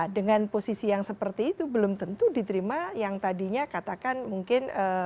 dengan posisi yang seperti itu belum tentu diterima yang tadinya katakan mungkin